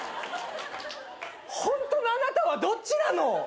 ホントのあなたはどっちなの！？